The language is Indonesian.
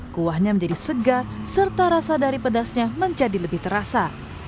kuahnya menjadi segar serta rasa dari pedasnya menjadi lebih terasa